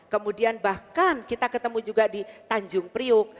kemudian bahkan kita ketemu juga di tanjung priuk